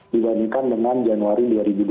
dibandingkan dengan januari dua ribu dua puluh